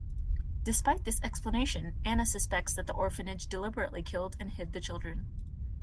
Despite this explanation, Anna suspects that the orphanage deliberately killed and hid the children.